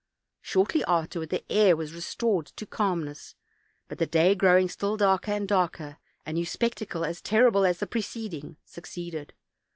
Shortly afterward the air was restored to calm ness; but the day growing still darker and darker, a new spectacle, as terrible as the preceding, succeeded.